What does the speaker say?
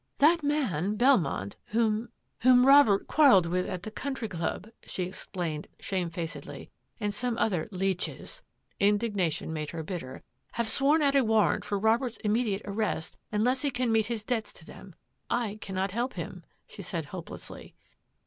" That man, Belmont, whom — whom Robert PORTSTEAiyS WILL 126 quarrelled with at the Country Club,'' she ex plained shamefacedly, and some other — leeches "— indignation made her bitter —" have sworn out a warrant for Robert's immediate ar rest unless he can meet his debts to them. I can not help him," she said hopelessly.